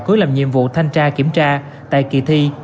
cứ làm nhiệm vụ thanh tra kiểm tra tại kỳ thi